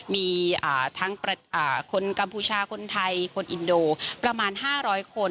มีทั้งคนกัมพูชาคนไทยคนอินโดประมาณ๕๐๐คน